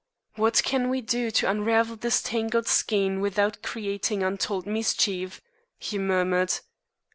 "What can we do to unravel this tangled skein without creating untold mischief?" he murmured.